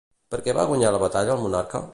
Per què va guanyar la batalla el monarca?